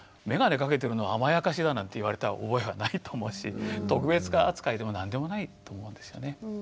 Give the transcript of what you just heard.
眼鏡かけてるのは「甘やかし」だなんて言われた覚えはないと思うし「特別扱い」でも何でもないと思うんですよね。